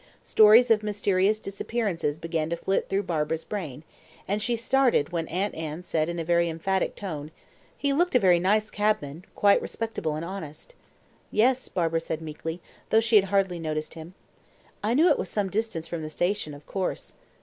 Stories of mysterious disappearances began to flit through Barbara's brain, and she started when Aunt Anne said in a very emphatic tone, "He looked a very nice cabman, quite respectable and honest." "Yes," Barbara said meekly, though she had hardly noticed him. "I knew it was some distance from the station, of course."